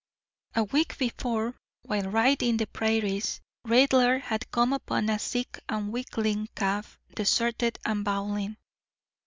A week before, while riding the prairies, Raidler had come upon a sick and weakling calf deserted and bawling.